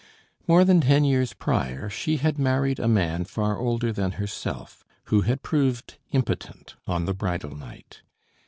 More than ten years prior she had married a man far older than herself, who had proved impotent on the bridal night.